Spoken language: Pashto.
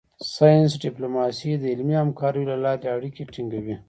ساینس ډیپلوماسي د علمي همکاریو له لارې اړیکې ټینګوي